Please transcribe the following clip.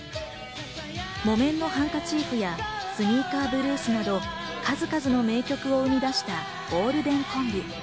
『木綿のハンカチーフ』や『スニーカーぶるす』など、数々の名曲を生み出したゴールデンコンビ。